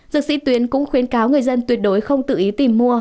dược sĩ tuyến cũng khuyến cáo người dân tuyệt đối không tự ý tìm mua